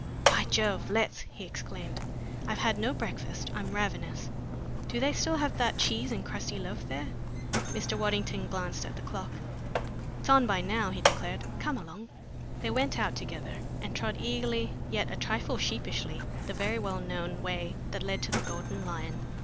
"By Jove, let's!" he exclaimed. "I've had no breakfast. I'm ravenous. Do they still have that cheese and crusty loaf there?" Mr. Waddington glanced at the clock. "It's on by now," he declared. "Come along." They went out together and trod eagerly yet a trifle sheepishly the very well known way that led to the Golden Lion.